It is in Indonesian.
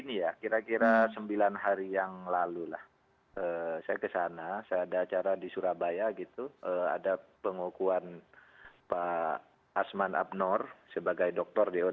ya selamat pagi pak mahfud md